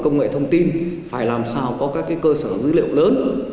công nghệ thông tin phải làm sao có các cơ sở dữ liệu lớn